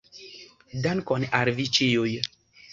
Dankon al Vi Ĉiuj!